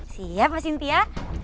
siap mbak sintia